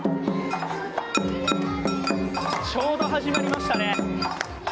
ちょうど始まりましたね。